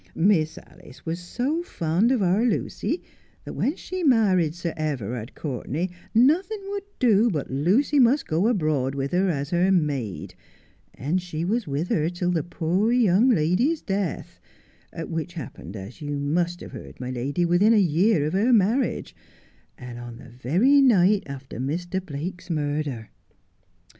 Miss Alice was so fond of our Lucy that when she married Sir Everard Courtenay nothing would do but Lucy must go abroad with her as her maid, and she was with her till the poor young lady's death, which happened, as you must have heard, my lady, within a year of her marriage, and on the very night after Mr. Blake's murder.